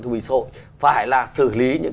thương binh xã hội phải là xử lý những